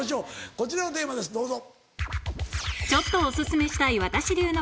こちらのテーマですどうぞ。